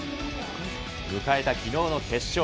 迎えたきのうの決勝。